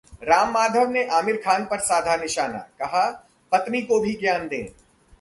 राम माधव ने आमिर खान पर साधा निशाना, कहा- पत्नी को भी ज्ञान दें